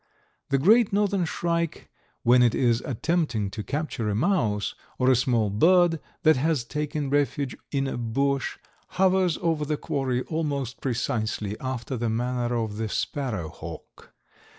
The Great Northern Shrike when it is attempting to capture a mouse, or a small bird that has taken refuge in a bush, hovers over the quarry almost precisely after the manner of the sparrow hawk.